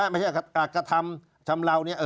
ไม่ใช่กระทำชำเลาเนี่ย